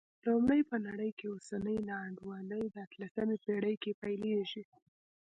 لومړی، په نړۍ کې اوسنۍ نا انډولي د اتلسمې پېړۍ کې پیلېږي.